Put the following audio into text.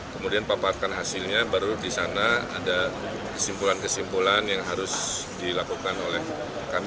kemudian paparkan hasilnya baru di sana ada kesimpulan kesimpulan yang harus dilakukan oleh kami tapi sesuai topoksi ya